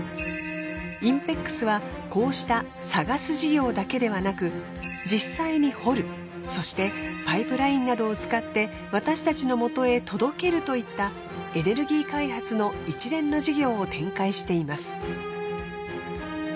ＩＮＰＥＸはこうした探す事業だけではなく実際に掘るそしてパイプラインなどを使って私たちのもとへ届けるといったエネルギー開発の一連の事業を展開しています。